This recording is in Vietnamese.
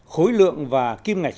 khối lượng và kim ngạch